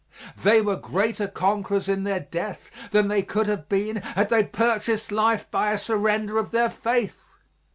They were greater conquerors in their death than they could have been had they purchased life by a surrender of their faith.